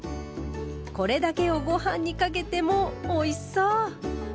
これだけをごはんにかけてもおいしそう！